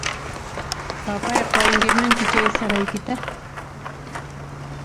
Papayqaq quwankimanchu chay saraykita?